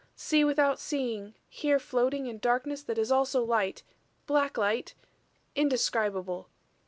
"See without seeing here floating in darkness that is also light black light indescribable.